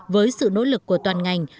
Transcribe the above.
với sự nỗ lực của toàn ngành